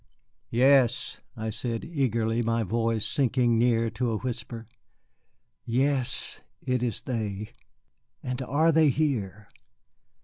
"Yes," I said eagerly, my voice sinking near to a whisper, "yes it is they. And are they here?"